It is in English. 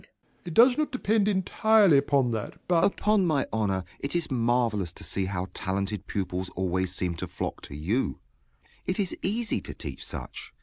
Upon my honor, it is marvellous to see how talented pupils always seem to flock to you. It is easy to teach such!